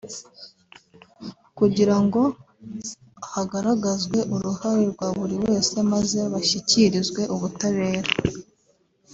kugira ngo hagaragazwe uruhare rwa buri wese maze bashyikirizwe ubutabera